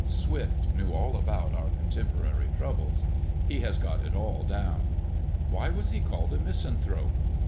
Swift knew all about our contemporary troubles. He has got it all down. Why was he called a misanthrope?